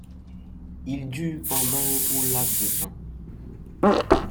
Il dure pendant un court laps de temps.